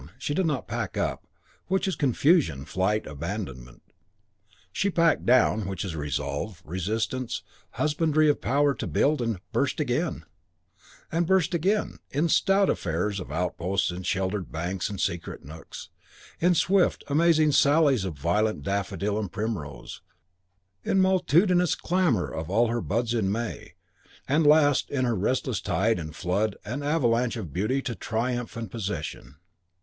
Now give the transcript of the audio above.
She did not pack up, which is confusion, flight, abandonment. She packed down, which is resolve, resistance, husbandry of power to build and burst again; and burst again, in stout affairs of outposts in sheltered banks and secret nooks; in swift, amazing sallies of violet and daffodil and primrose; in multitudinous clamour of all her buds in May; and last in her resistless tide and flood and avalanche of beauty to triumph and possession.